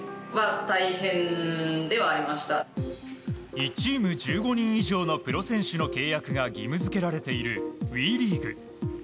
１チーム１５人以上のプロ選手の契約が義務付けられているＷＥリーグ。